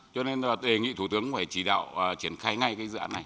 cho nên là đề nghị thủ tướng phải chỉ đạo triển khai ngay cái dự án này